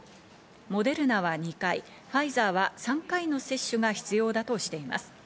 モデルナは２回、ファイザーは３回の接種が必要だとしています。